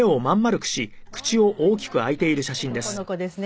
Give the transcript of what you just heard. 男の子ですね。